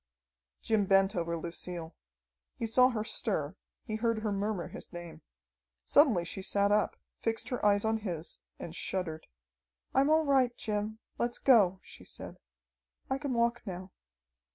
Jim bent over Lucille. He saw her stir, he heard her murmur his name. Suddenly she sat up, fixed her eyes on his, and shuddered. "I'm all right, Jim. Let's go," she said. "I can walk now."